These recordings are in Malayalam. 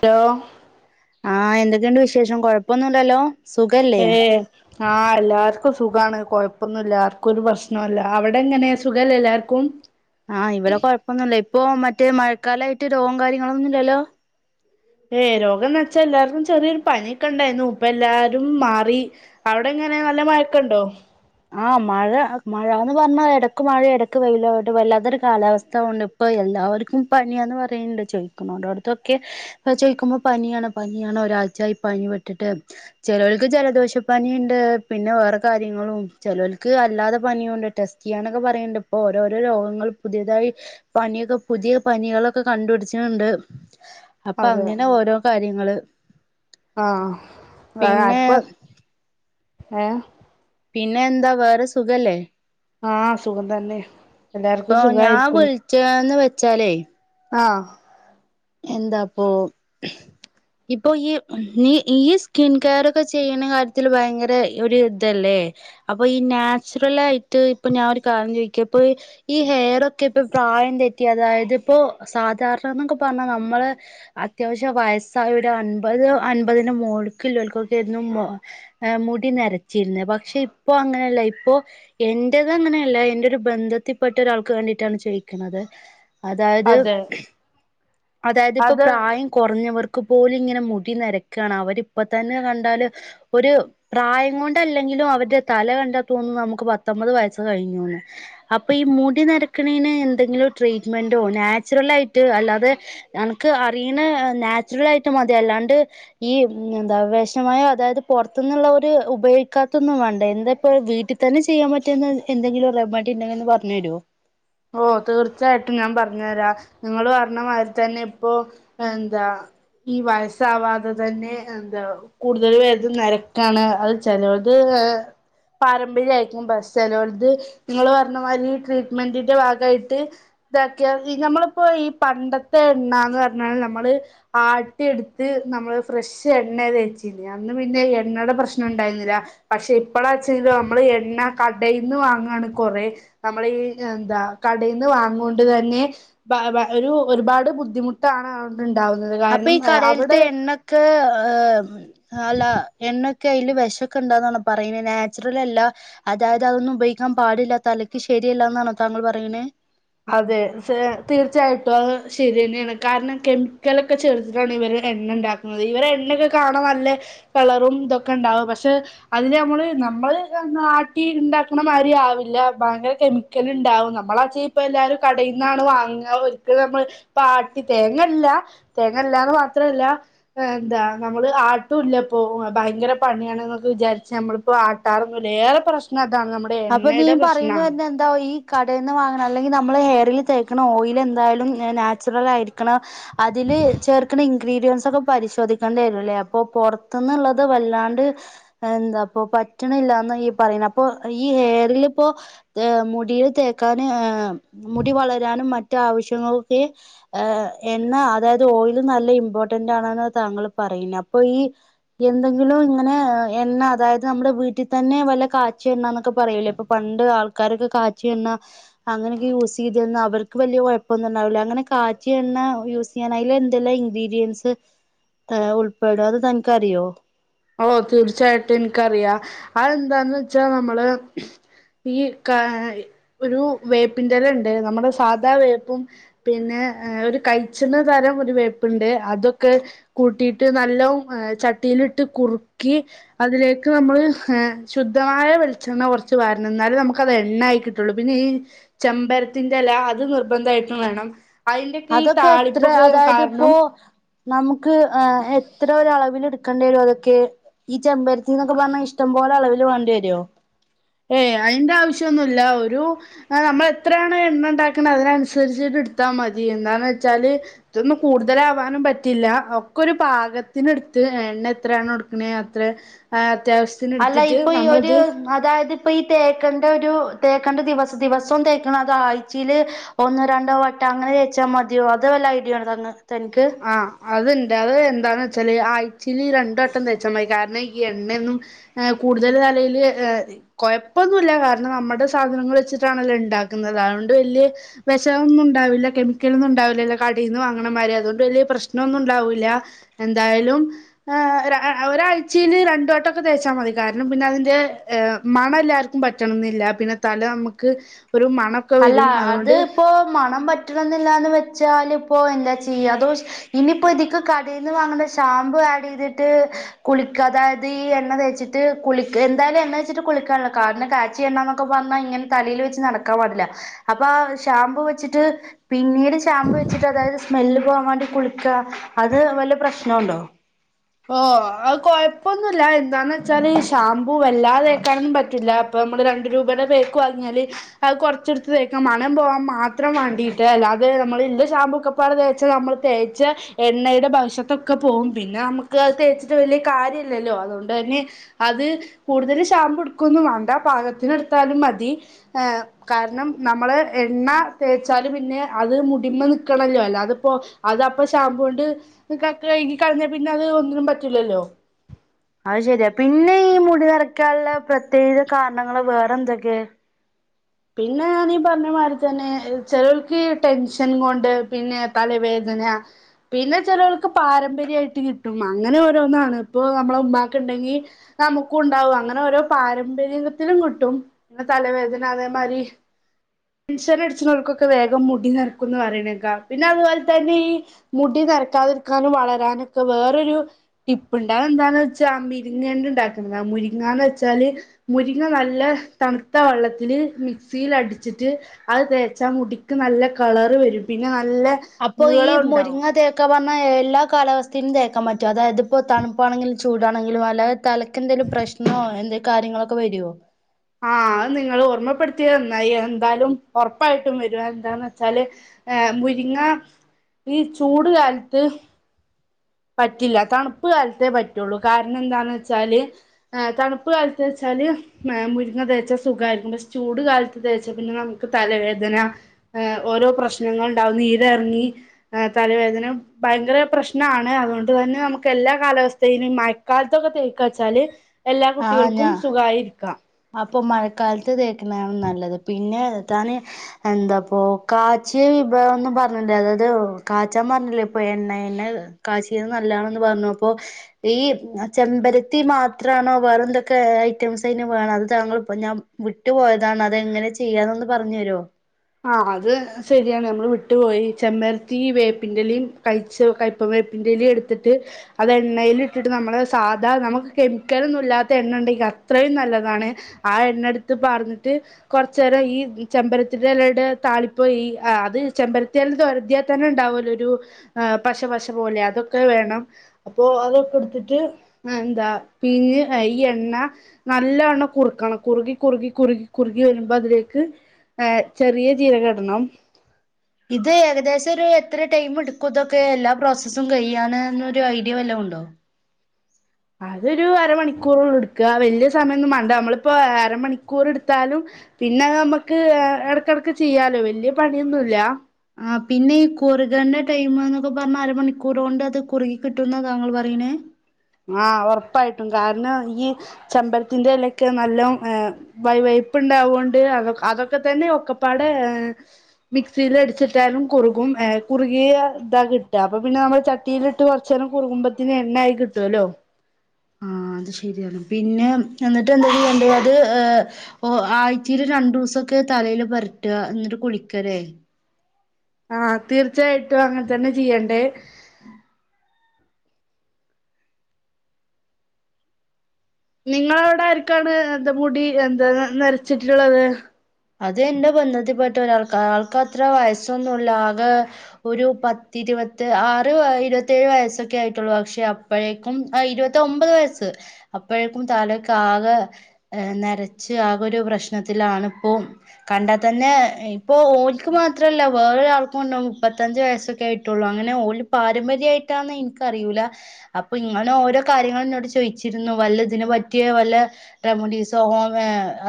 ഹലോ ആഹ് എന്തെക്കേണ്ട് വിശേഷം കൊഴപ്പൊന്നുംല്ലല്ലോ ഏഹ് ആഹ് എല്ലാര്ക്കും സുഖാണ് കൊഴപ്പൊന്നുല്ലാ ആർക്കൊരു പ്രശ്നാേല്ലാ അവിടെങ്ങെനേ സുഖെല്ലെ എല്ലാര് ക്കും ആഹ് ഇവിടെ കൊഴപ്പൊന്നുല്ല ഇപ്പൊ മറ്റേ മഴക്കാലായിട്ട് രോഗും കാര്യങ്ങളൊന്നുല്ലല്ലോ ഏഹ് രോഗംന്നെച്ചാ എല്ലാർക്കും ചെറിയൊരു പന്യൊക്കെണ്ടായ്ര്ന്നു പ്പം എല്ലാരും മാറി അവ്ടെങ്ങെനെ നല്ല മയാെക്കെണ്ടോ ആഹ് മഴ മഴാന്ന് പർഞ്ഞാ എടെക്ക് മഴിം എടെക്ക് വെയ്ലു ആയ്ട്ട് വല്ലാത്തൊരു കാലാവസ്ഥ ഉണ്ട് ഇപ്പം എല്ലാവര്ക്കും പനിയാന്ന് പറയ്ണ്ട് ചൊയ്ക്കുന്നോലാേട്ത്തൊക്കെ ഇപ്പ ചോയ്ക്കുമ്പ പനിയാണ് പനിയാണ് ഒരായ്ച്ചായ് പനി പെട്ടിട്ട് ചെലോൽക്ക് ജലദോഷ പനീണ്ട് പിന്നെ വേറെ കാര്യങ്ങളും ചെലോൽക്ക് അല്ലാതെ പനിയൂണ്ട് ടെസ്റ്റെയ്യാനൊക്കെ പറയ്ണ്ട്പ്പാെ ഓരോരോ രോഗങ്ങൾ പുത്‌യതായി പന്യൊക്കെ പുതിയ പനികളൊക്കെ കണ്ടുട്ച്ച്ണ്‌ണ്ട് അപ്പ അതെ അങ്ങെനെ ഓരോ കാര്യങ്ങെള് ആഹ് വേറെ ആര്ക്കു അസ് ഏഹ് പിന്നെ എന്താ വേറെ സുഖല്ലേ ആഹ് സുഖം തന്നെ പ്പോ എല്ലാർക്കും ഞാം സുഖായിരിക്കുണു വിൾച്ചാന്ന് വെച്ചാലേ ആഹ് എന്താപ്പാേ ഇപ്പാെ ഇയ്യ് നീ ഇയ്യ് സ്കിൻ കെയറൊക്കെ ചെയ്യ്ണ കാര്ത്ത്ല് ഭയങ്കര ഒര് തല്ലേ അപ്പൊ ഈ നാച്ചുറലായിട്ട് ഇപ്പ ഞാ ഒരു കാര്യം ചോയ്ക്കാ ഇപ്പ ഇ ഈ ഹെയറൊക്കെ ഇപ്പം പ്രായം തെറ്റി അതായെത് ഇപ്പോ സാധാര്ണാന്നൊക്കെ പർഞ്ഞാ നമ്മെള് അത്യാവ്ശ്യം വയസ്സായ ഒരൻപത് അൻപതിന്റെ മോള്ക്ക്ല്ലോല്ക്കൊക്കേര്ന്നു മാെ ഏഹ് മുടി നെരച്ചീര്ന്ന് പക്ഷെ ഇപ്പാെ അങ്ങനെല്ല ഇപ്പോ എന്റെത് അങ്ങനെയെല്ലാ എന്റൊരു ബന്ധത്തിപെട്ട ഒരാൾക്ക് വേണ്ടീട്ടാണ് ചോയ്ക്ക്ണെത് അതായെത് അതെ അതായെത് ഇപ്പൊ അത് പ്രായം കാെറഞ്ഞവർക്ക് പോലും ഇങ്ങെനെ മുടി നെര്ക്കാണ് അവര് ഇപ്പ തന്നെ കണ്ടാല് ഒരു പ്രായം കൊണ്ടല്ലെങ്കിലും അവര്ടെ തല കണ്ടാ താേന്നും നമുക്ക് പത്തമ്പത് വയസ്സ് കഴിഞ്ഞൂന്ന് അപ്പ ഈ മുടി നരക്ക്ണേന് എന്തെങ്കിലും ട്രീറ്റ്മെന്റോ നാച്ചുറലായിട്ട് അല്ലാതെ അൻക്ക് അറീണേ നാച്ചുറലായ്ട്ട് മതി അല്ലാണ്ട് ഈ എന്താ വെഷമയോ അതായെത് പാെർത്ത്ന്ന്ള്ള ഒര് ഉപയോയ്ക്കാത്തൊന്നും വേണ്ട എന്താ ഇപ്പോ വീട്ടി തന്നെ ചെയ്യാം പറ്റ്യ ന്ന എന്തെങ്കിലും റെമെഡിണ്ടെങ്കാെന്ന് പർഞ്ഞെര്വോ ഓഹ് തീർച്ചയായ്ട്ടും ഞാൻ പർഞ്ഞ് തരാ നിങ്ങെള് പർഞ്ഞമായ്രി തന്നെ ഇപ്പൊ എന്താ ഈ വയസ്സാവാതെ തന്നെ എന്താ കൂട്തല് പേര്തും നെരെക്കാണ് അത് ചെലാേൽത് ഏഹ് പാരമ്പര്യായ്ര്ക്കും ബസ് പെലോൽത് നിങ്ങെള് പർഞ്ഞ മായ്‌രി ട്രീറ്റ്മെന്റിന്റെ ഭാഗായ്ട്ട് [unintelligible] നമ്മള്പ്പോ ഈ പണ്ടത്തെ ണ്ണാന്ന് പർഞ്ഞാല് നമ്മെള് ആട്ടി ഇട്ത്ത് നമ്മെള് ഫ്രഷ് എണ്ണേ തേച്ചീനെ അന്ന് പിന്നെ എണ്ണേടെ പ്രശ്നംണ്ടായ്ര്ന്നില്ലാ. പക്ഷെ ഇപ്പഴാച്ചാല് നമ്മള് എണ്ണ കടയിൽ നിന്ന് വാങ്ങാണ് കൊറെ നമ്മളീ- കടയിൽന്ന് വാങ്ങൊണ്ട് തന്നെ ഒരു ഒരുപാട് ബുദ്ധിമുട്ട്- താണ് അവടെ ഉണ്ടാവുന്നത് അപ്പൊ കാരണം ഈ അവിടെ കടയിലത്തെ [unintelligible] അല്ല എണ്ണൊക്കെ അതില് വിഷമൊക്കെ ഇണ്ടാന്നാണ് പറയുന്നത് നാച്ചുറലല്ല അതായത് അതൊന്നും ഉപയോഗിക്കാൻ പാടില്ല തലയ്ക്ക് ശരിയല്ലാന്നാണോ താങ്കൾ പറയണേ അതെ തീർച്ചയായിട്ടും അത് ശരി തന്നെയാണ് കാരണം കെമിക്കലൊക്കെ ചേർത്തിട്ടാണ് ഇവര് എണ്ണ ഉണ്ടാക്ക ഇവരെ എണ്ണയൊക്കെ കാണാൻ നല്ല കളറും ഇതൊക്കെ ഉണ്ടാവും പക്ഷെ അതില് നമ്മള് നമ്മള് തന്നാട്ടി ഉണ്ടാക്കണമാരി ആവില്ല ഭയങ്കര കെമി ക്കല് ഉണ്ടാവും നമ്മളാ- ഇപ്പ എല്ലാരും കടയിൽന്നാണ് വാങ്ങ ഒരിക്കലും നമ്മള് ഇപ്പാട്ടി തേങ്ങല്ല തേങ്ങല്ലാന്ന് മാത്രല്ല എന്താ നമ്മള് ആട്ടൂല്ലയിപ്പോ ഭയങ്കര പണിയാണെന്നൊക്കെ വിചാരിച്ച് നമ്മളിപ്പോ ആ ട്ടാറൊന്നുല്ല ഏറെ പ്രശ്നം ഇതാണ് നമ്മ അപ്പൊ നീൻ പറയുന്ന വര എന്താ ഈ കടയിൽ നിന്ന് വാങ്ങണ അല്ലെങ്കിൽ നമ്മള് ഹെയറിൽ തേക്കണ ഓയിൽ എന്തായാലും നാച്ചുറലായിരിക്ക് ല്ല അതില് ചേർക്കണ- ഇൻഗ്രീഡിയൻസ് ഒക്കെ പരിശോധിക്കേണ്ടി വരൂല്ലേ അപ്പൊ പുറത്തുന്നുള്ളള്ളത് വല്ലാണ്ട്- എന്താ അപ്പൊ പറ്റണില്ലന്നി പറയണ അപ്പൊ ഈ ഹെയറിലിപ്പോ ഏ മുടിയിൽ തേക്കന് ഏ മുടി വളരാനും മറ്റു ആവശ്യങ്ങൾക്കെ- ഏ എണ്ണ അതായത് ഓയില് നല്ല ഇമ്പോർട്ടന്റാണെന്നാ താങ്കൾ പറയുന്ന അപ്പൊ ഈ- എന്തെങ്കിലും ഇങ്ങനെ എണ്ണ അതായത് നമ്മുടെ വീട്ടിൽ തന്നെ വല്ല കാ ച്ചി എണ്ണന്നൊക്കെ പറയൂലേ ഇപ്പൊ പണ്ട് ആൾക്കാരൊക്കെ കാച്ചി എണ്ണ അങ്ങനെയൊക്കെ യൂസ് ചെയ്തിര്ന്ന അവർക്ക് വലിയ കുഴപ്പമൊന്നും ഉണ്ടാവില്ല അങ്ങനെ കാച്ചിയെണ്ണ യൂസ്- അതിലെന്തെല്ലാം ഇൻഗ്രീഡിയൻസ് ഉൾപ്പെടും അത് തനിക്ക്റിയോ ഓ തീർച്ചയായിട്ടും എനിക്കറിയാം അതെന്താന്ന് വെച്ചാ നമ്മള് ഈ ക ഒരു വേപ്പിൻ്റെല ഉണ്ടായിര്ന്നു നമ്മുടെ സാധാ വേപ്പും- പിന്നെ ഒരു കൈച്ചിന്ന തരം ഒരു വേപ്പുണ്ട് അതൊക്കെ- കൂട്ടിയിട്ട് നല്ല ചട്ടിയിലിട്ട് കുറുക്കി അതിലേക്ക് നമ്മള് ശുദ്ധമായ വെളിച്ചെണ്ണ കുറച്ച് വരണം എന്നാലെ നമുക്ക് അത് എണ്ണയായി കിട്ടു- ള്ളു പിന്നെ ഈ ചെമ്പരത്തിന്റെല അത് നിർബന്ധമായിട്ടും വേണം അതിന്റെയൊക്കെ ഈ അതൊക്കെ എത്ര താളിപ്പൊക്കെ അതായത് ഇപ്പോ കാരണം നമുക്ക് എത്ര ഒരളവിൽ എടുക്കേണ്ടി വരോ അതൊക്കെ- ഈ ചെമ്പരത്തിന്നൊക്കെ പറഞ്ഞാൽ ഇഷ്ടംപോലെ അളവിൽ വണ്ടി വരുമോ ഏയ് അതിന്റെ ആവശ്യൊന്നുമില്ല ഒരു- ആ നമ്മൾ എത്രയാണൊ എണ്ണ ഉണ്ടാക്കണെ അതിനനുസരിച്ചിട്ട് എടുത്താൽ മതി എന്താന്ന് വെച്ചാല് ഇതൊന്നും കൂടുതലാവാനും പറ്റില്ല ഒക്കെ ഒരു പാകത്തിനടുത്ത് എണ്ണ എത്രയാണ് എടുക്കണ അത്ര- ആ അല്ല അത്യാവശ്യത്തിനെടുത്തിട്ട് ഇപ്പൊ ഈ ഒരു നമ്മളത് അതായത് ഇപ്പോ ഈ തേക്കണ്ട ഒരു തേക്കേണ്ട ദിവസം ദിവസവും തേക്കണൊ അതോ ആഴ്ചയില് ഒന്നോ രണ്ടോ വട്ടം അങ്ങനെ തേയ്ച്ചാ മതിയോ അത് വല്ല ഐഡിയ ഒണ്ടോ തനിക്ക്. ആഹ് അത് ഇണ്ട് അത് എന്താന്ന് വെച്ചാല് ആഴ്ചയില് രണ്ട് വട്ടം തേച്ചാ മതി കാര്ണം ഈ എണ്ണെയൊന്നും. ആ കൂടുതൽ തലേല് കൊഴപ്പൊന്നുല്ല കാര്ണം നമ്മെടെ സാധനങ്ങൾ വെച്ചിട്ടാണല്ലോ ഇണ്ടാക്കുന്നത് അതോണ്ട് വെല്യ വിഷമൊന്നുണ്ടാവില്ല കെമിക്കലൊന്നും ഉണ്ടാവിലല്ലൊ കടേന്ന് വാങ്ങ്ണ മായ്രി അതുകൊണ്ട് വെല്യ പ്രശ്നം ഒന്നും ഉണ്ടാവൂല്ല എന്തായാലും ആഹ് ഒരാഴ്ചേല് രണ്ട് വട്ട ഒക്കെ തേച്ചാ മതി കാരണം പിന്നെ അതിന്റെ മണ എല്ലാർക് പറ്റണം ന്നില്ല പിന്നെ തല നമക്ക് ഒരു മണം അല്ല അത് ഇപ്പോ മണം പറ്റണം എന്നില്ലാന്നെ വെച്ചാല് ഇപ്പോ എന്നാ ചെയ്യ അതോ ഇനിയിപ്പോ ഇതിക്ക് കടേന്ന് വാങ്ങ്ണ ഷാമ്പൂ ആഡ് ചെയ്തിട്ട് കുളിക്ക അതായത് ഈ എണ്ണ തേച്ചിട്ട് കുളിക് എന്തായാലും എണ്ണ തേച്ചിട്ട് കുളിക്കാനല്ലോ കാര്ണം കാ ച്ചയണ്ടന്നൊക്കെ പറ്ന്ന ഇങ്ങനെ തലേല് വെച്ച് നടക്കാൻ പാടില്ല. അപ്പൊ ഷാമ്പൂ വെച്ചിട്ട് പിന്നീട് ഷാമ്പ് വെച്ചിട്ട് അതായത് സ്മെല്ല് പോകാൻ വേണ്ടി കുളിക്ക അത് വല്ല പ്രശ്ന ഉണ്ടോ ഓഹ് അത് കൊഴപ്പൊന്നുല്ല എന്താന്ന് വെച്ചാല് ഈ ഷാമ്പൂ വല്ലാതേക്കാനൊന്നും പറ്റൂല അപ്പ മ്മള് രണ്ട് രൂപയുടെ പേക്ക് വാങ്ങ്യായാല് അത് കൊറച്ചെടുത്ത് തേക്കും മണം പോവാൻ മാത് ത്രം വാണ്ടീട്ട് അല്ലാത് നമ്മള് ഇല്ല ഷാമ്പൂ ഒക്കപ്പാടെ തേച്ച നമ്മള് തേച്ച എണ്ണയുടെ ഭവിശ്യത്തൊക്കെ പോവും പിന്നെ നമുക്ക് തേച്ചിട്ട് വല്യ കാര്യല്ലല്ലോ അതോണ്ടെ ന്നെ അത് കൂടുതല് ഷാമ്പ് ഇടുക്കൊന്നും വേണ്ട പാകത്തിന് ഇടുത്താലും മതി ഏഹ്. കാരണം നമ്മള് എണ്ണ തേച്ചാല് പിന്നെ അത് മുടിമെ നിക്കണല്ലോ അല്ലാതെ ഇപ്പോ. അത് അപ്പൊ ഷാമ്പൂ കൊണ്ട് കഴികി കളഞ്ഞാ പിന്നെ അത് ഒന്നിനും പറ്റൂലല്ലോ അത് ശെരിയാ പിന്നെ ഈ മുടി നറയ്ക്കാനുള്ള പ്രത്യേക കാരണങ്ങള് വേറെ എന്തൊക്കെ പിന്നെ ഞാനീ പറഞ്ഞ മായിരി തന്നെ ചെലൊൽക്ക് ടെൻഷൻ കൊണ്ട് പിന്നെ തലവേദന പിന്നെ ചെലോൾക്ക് പാരമ്പര്യ ആയിട്ട് കിട്ടും. അങ്ങനെ ഓരോന്നാണ് ഇപ്പൊ നമ്മളെ ഉമ്മാക്ക് ഇണ്ടെങ്കി നമുക്കു ഉണ്ടാവും. അങ്ങനെ ഓരോ പാരമ്പര്യത്തിലും കിട്ടും തലവേദന അതേ മാരി ടെൻഷൻ അടിച്ച് ണോൽക്കൊക്കെ വേഗം മുടി നെരക്കുംന്ന് പറയണേക്കാ പിന്നെ അതുപോലെ തന്നെ ഈ മുടി നെരക്കാതിരിക്കാനും വളരാനൊക്കെ വേറൊരു ടിപ്പുണ്ട്. അത് എന്താന്ന് വെച്ചാ ആ മിരിങ്ങെണ്ട് ഉണ്ടാക്ക്ണത ആ മുരിങ്ങാന്ന് വെച്ചാല് മുരിങ്ങ നല്ല തണ്ത്ത വള്ളത്തില് മിക്സിൽ അടിച്ചിട്ട് അത് തേച്ചാ മുടിക്ക് നല്ല കളറ് വെരും പിന്നെ നല്ല അപ്പൊ ഈ നീളം ഉണ്ടാവും മുരിങ്ങതേ ക്കെ പറഞ്ഞാ എല്ലാ കാലാവസ്ഥയിലും തേക്കാൻ പറ്റും അതായത്‌ ഇപ്പോ തണുപ്പാണെങ്കിലു ചൂടാണെങ്കിലും അല്ലാതെ തല എന്തേലും പ്രശ്നോ എന്തെ കാര്യങ്ങളൊക്കെ വെരോ ആഹ് അത് നിങ്ങള് ഓർമ്മപ്പെടുത്തിയത് നന്നായി എന്താലും ഉറപ്പായിട്ടും വരും എന്താന്ന് വച്ചാല് ഏഹ് മുരിങ്ങ ഈ ചൂട് കാലത്ത് പറ്റില്ല തണുപ്പ് കാലത്തേ പറ്റൊള്ളൂ കാരണം എന്താന്ന് വെച്ചാല് ഏഹ് തണുപ്പ് കാലത്ത് വെച്ചാല് മുരിങ്ങ തേച്ചാ സുഖായിരിക്കും. പക്ഷെ ചൂട് കാലത്ത് തേച്ച പിന്നെ നമുക്ക് തലവേദന ഓരോ പ്രശ്നങ്ങള് ഇണ്ടാവും. നീരറങ്ങി തലവേദന ഭയങ്കെര പ്രശ്നാണ്. അതുകൊണ്ട് തന്നെ നമുക്ക് എല്ലാ കാലാവസ്ഥയിലും ഈ മയക്കാലത്തൊക്കെ തേക്ക ച്ചാല് എല്ലാ ആഹ് കുട്ടികൾക്കും ഞാ സുഖായിര്‌ക്കാം അപ്പൊ മഴക്കാലത്ത് തേക്ക്ന്ന ആണ് നല്ലത് പിന്നെ താന് എന്താപ്പൊ കാച്ചിയ വിഭവം ന്നും പറ്ഞ്ഞ്ണ്ട് അതായത് കാച്ചാൻ പറഞ്ഞില്ലെ ഇപ്പൊ എണ്ണെൽ കാചീത് നല്ലാണ്ന്ന് പറ്ഞപ്പോ ഈ ചെമ്പരത്തി മാത്ര ആണോ വേറെ എന്തൊക്കെ ഐറ്റംസ് അ വേണം അത് താങ്കള ഇപ്പ ഞാൻ വിട്ടു പോയതാണ് അതെങ്ങെനെ ചെയ്യാന്നന്നു പറഞ്ഞരോ. ആഹ് അത് ശെരിയാണ് നമ്മള് വിട്ടു പോയി ചെമ്മരത്തി ഈ വേപ്പിൻ്റെലിം കഴിച്ച കയ്പ്പ വേപ്പിൻ്റെലിം എടുത്തിട്ട് അത് എണ്ണയില് ഇട്ടിട്ട് നമ്മള് സാധാ നമുക്ക് കെമിക്കലൊന്നും ഇല്ലാത്ത എണ്ണ ഇണ്ടെങ്കി അത്രയും നല്ലതാണ് ആഹ് എണ്ണടുത്ത് പാർന്നിട്ട് കുറച്ച നേരം ഈ ചെമ്പരത്തി തിരിതലേടെ താളിപ്പ് ഈ ആഹ് അത് ചെമ്പരത്തിയൽ ഒരതിയാൽ തന്നെ ഉണ്ടാവല്ലോ ഒരു ആഹ് പശവശ പോലെ അതൊക്കെ വേണം അപ്പൊ അതൊക്കെ എടുത്തിട്ട് എന്താ പീഞ്ഞ് ഈ എണ്ണ നല്ല വണ്ണം കുറുക്കണം കുറുകി കുറുകി കുറുകി കുറുകി വരുമ്പോ അതിലേക്ക് ഏഹ് ചെറിയ ജീരകടണം ഇത് ഏകദേശ ഒരു എത്ര ടൈം എടുക്കും ഇതൊക്കെ എല്ലാ പ്രോസസ്സും കയ്യാന് എന്ന ഒരു ഐഡിയ വല്ല ഉണ്ടോ അതൊരു അരമണിക്കൂറുള്ളൂ എടുക്ക വല്യ സമയോന്നും മാണ്ട നമ്മളിപ്പോ അരമണിക്കൂറെടുത്താലും പിന്നെ നമ്മക്ക് ഇടക്കിടക്ക് ചെയ്യാലോ വല്യ പണിയൊന്നുല്ല ആഹ് പിന്നെ ഈ കുറുകന്റെ ടൈം എന്നൊക്കെ പറഞ്ഞ അരമണിക്കൂർ കൊണ്ട് അത് കുറുകി കിട്ടുന്ന താങ്കൾ പറയണേ ആഹ് ഉറപ്പായിട്ടും കാരണം ഈ ചെമ്പരതീന്റെലൊക്കെ നല്ല വൈ വൈപ്പ ഉണ്ടാവോണ്ട് അതൊ അതൊക്കെ തന്നെ ഒക്ക പാടെ ഏഹ് മിക്സില് അടിച്ചിട്ടാലും കുറുകും ഏഹ് കുറുകിയ ഇതാ കിട്ട അപ്പൊ പിന്നെ നമ്മൾ ച തീയിലിട്ട് കുറച്ചേരം കുറുകുബ്ത്തിന് എണ്ണയായി കിട്ടോല്ലോ ആഹ് അത് ശരിയാണ് പിന്നെ എന്നിട്ട് എന്ത ചെയ്യേണ്ട അത് ഏഹ് ഓ ആഴ്ചേല് രണ്ടുസൊക്കെ തലയില് പേരറ്റ എന്നിട്ട് കുളിക്കലേ ആഹ് തീർച്ചയായിട്ടും അങ്ങനെ തന്നെ ചെയ്യണ്ടേ ഉം നിങ്ങളവിടെ ആരിക്കാണ് എന്താ മുടി എന്താ നരച്ചിട്ട്ള്ളത് അത് എന്റെ ബന്ധത്തിപ്പെട്ട ഒരാൾക്കാ ആൾക്ക് അത്ര വയസ്സൊന്നുല്ല ആകെ ഒരു പത്തി ഇരുപത്തി ആറ് ഇരുവത്തേഴ് വയസ്സൊക്കെ ആയിട്ടുള്ളൂ പക്ഷെ അ അപ്പോഴേക്കും ആ ഇരുപത്തി ഒമ്പത് വയസ്സ് അപ്പോഴേക്കും തലക്കെ ആകെ നരച്ച് ആകൊ ഒരു പ്രശ്നത്തിലാണ് [inaudible] കണ്ടാ തന്നെ ഇപ്പൊ ഓൽ ക്ക് മാത്രല്ല വേറൊരാൾക്കു ഉണ്ട് മുപ്പത്തഞ്ച് വയസ്സോക്കെ ആയിട്ടുള്ളൂ അങ്ങനെ ഓൽ പാരമ്പര്യായിട്ടാന്ന് എനിക്കറിയൂല അപ്പൊ ഇങ്ങനെ ഓരോ കാര്യങ്ങളു എന്നോട് ചോയിച്ചിരുന്നു വല്ല ഇതിന് പറ്റിയ വല്ല റെമഡീസോ ഹോം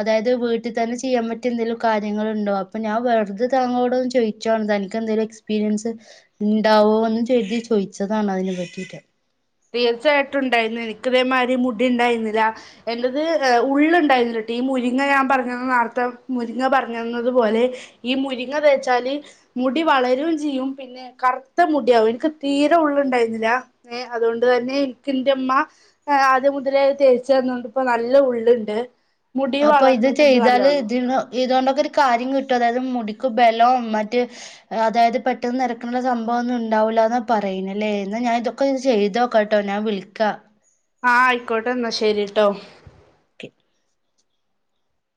അതായത് വീട്ടി തന്നെ ചെ ചെയ്യാൻ പറ്റിയഎന്തേലും കാര്യങ്ങളുണ്ടോ അപ്പോ ഞാൻ വെറുതെ താങ്കളോട് ഒന്ന് ചോയ്ച്ചാണ് തനിക്ക് എന്തെലു എക്സ്പീരിയൻസ് ഉണ്ടാവോ എന്ന് ചെയ്തി ചോദിച്ചതാണ് അതിനെ പറ്റിട്ട് തീർച്ചയായിട്ടുണ്ടായിരുന്നു എനിക്ക് ഇതേമാതിരി മുടി ഉണ്ടായിരുന്നില്ല എന്റത് ഉള്ള്. ഉണ്ടായിരുന്നില്ലട്ട ഈ മുരിങ്ങ ഞാൻ പറഞ്ഞ നേരത്ത മുരിങ്ങ പറഞ്ഞതു പോലെ ഈ മുരിങ്ങ തേച്ചാല് മുടി വളരും ചെയ്യും പിന്നെ കറുത്ത മുടിയാവും എനിക്ക് തീരെ ഉള്ള് ഉണ്ടായിരുന്നില്ല അതോണ്ട് തന്നെ ഇനിക്കിന്റുമ്മ ആഹ് അദ്യം മുതലേ തേച്ച് തന്നോണ്ട് ഇപ്പ നല്ല ഉള്ളുണ്ട് മുടി അപ്പൊ ഇത് വളർന്നിട്ടുണ്ട് ചെയ്താല് നല്ലോണം ഇത്ന് ഇതുകൊണ്ടൊക്കെ ഒരു കാര്യം കിട്ടും അതായത് മുടിക്ക് ബലം മറ്റ് അതായത് പെട്ടെന്ന് നരക്കണ സംഭവ ഒന്നും ഉണ്ടാവില്ലന്ന പറയുന്നല്ലേ എന്നാ ഞാൻ ഇത് ഒക്കെ ഇത് ചെയ്തോക്കട്ടേ ഞാൻ വിളിക്കാ ആഹ് ആയിക്കോട്ടെ എന്നാ ശരിട്ടോ ഒക്കെ